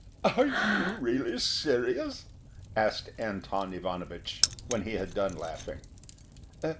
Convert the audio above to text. "Are you really serious?" asked Anton Ivanovich, when he had done laughing.